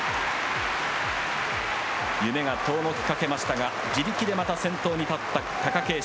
夢が遠のきかけましたが、自力でまた先頭に立った貴景勝。